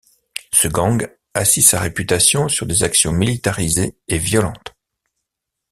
Ce gang assit sa réputation sur des actions militarisées et violentes.